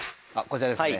こちらですね